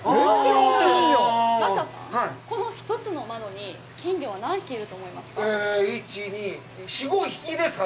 ラッシャーさん、この１つの窓に金魚は何匹いると思いますか。